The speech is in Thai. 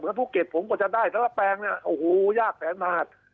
ภูเก็ตผมก็จะได้แต่ละแปลงเนี่ยโอ้โหยากแสนบาท